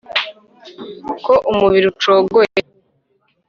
ko umubiri ucogoye